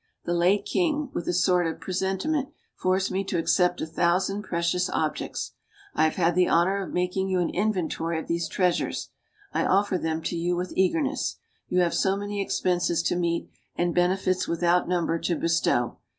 The late king, with a sort of presentiment, forced me to accept a thousand precious objects. 1 have had the honor of making you an inventory of these treasures I offer them to you with eagerness. You have so many expenses to meet, and benefits without number to bestow.